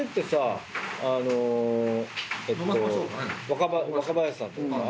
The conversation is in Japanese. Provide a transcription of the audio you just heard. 若林さんとか。